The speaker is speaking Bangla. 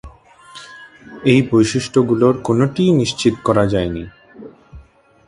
এই বৈশিষ্ট্যগুলোর কোনোটিই নিশ্চিত করা যায়নি।